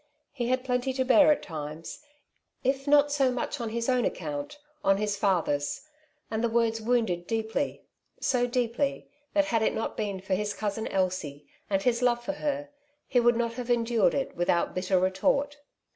He had plenty to bear at times, if not so much on his own account, on his father's ; and the words wounded deeply, so deeply that had it not been for his cousin Elsie, and his love for her, he would not have endured it without bitter retort.